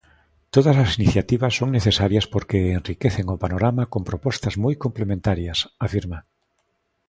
Todas as iniciativas son necesarias porque enriquecen o panorama con propostas moi complementarias, afirma.